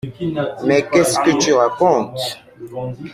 Mais qu’est-ce que tu racontes?